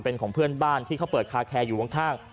เป็นของเพื่อนบ้านที่เขาเปิดคาแคร์อยู่ข้าง